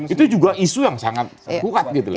itu juga isu yang sangat kuat